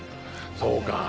そうか。